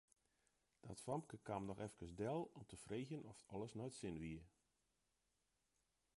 Dat famke kaam noch efkes del om te freegjen oft alles nei't sin wie.